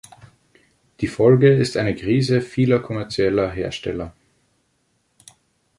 Die Folge ist eine Krise vieler kommerzieller Hersteller.